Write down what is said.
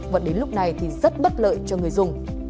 và đến lúc này thì rất bất lợi cho người dùng